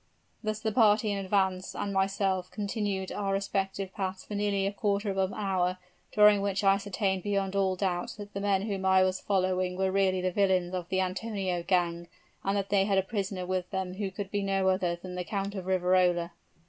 Thus the party in advance and myself continued our respective paths for nearly a quarter of an hour, during which I ascertained beyond all doubt that the men whom I was following were really the villains of the Antonio gang, and that they had a prisoner with them who could be no other than the Count of Riverola.